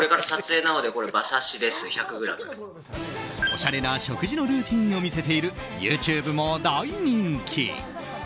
おしゃれな食事のルーティンを見せているＹｏｕＴｕｂｅも大人気。